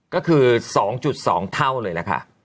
ก็คือ๒๒เท่าเลยล่ะค่ะ